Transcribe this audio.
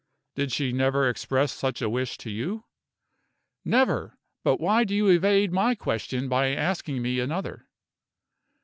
"Did she never express such a wish to you?" "Never. But why do you evade my question by asking me another?"